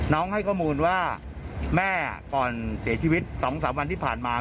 ให้ข้อมูลว่าแม่ก่อนเสียชีวิต๒๓วันที่ผ่านมา